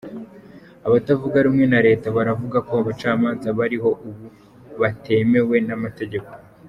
Abatavuga rumwe na leta baravuga ko abacamanza bariho ubu batemewe n'amategeko.